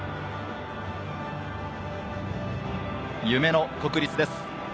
夢の国立です。